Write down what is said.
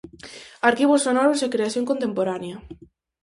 Arquivos Sonoros e creación contemporánea.